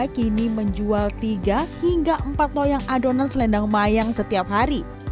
kini menjual tiga hingga empat loyang adonan selendang mayang setiap hari